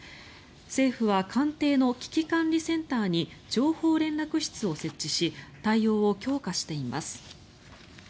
政府は官邸の危機管理センターに情報連絡室を設置し対応を強化しています。